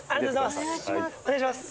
お願いします。